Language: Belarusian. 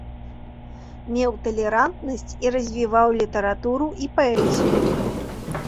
Меў талерантнасць і развіваў літаратуру і паэзію.